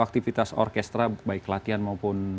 aktivitas orkestra baik latihan maupun